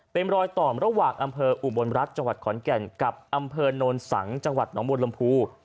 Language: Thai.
เป็นรอยต่อมระหว่างอำเภออุบลรัฐจขอนแก่นกับอำเภอโนรสังจหนองบวนลำภู